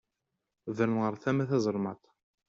Bren ɣer tama taẓelmaṭ.